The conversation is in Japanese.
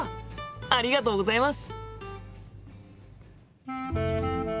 ありがとうございます。